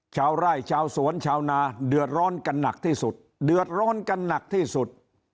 ชาวไร่ชาวสวนชาวนาเดือดร้อนกันหนักที่สุด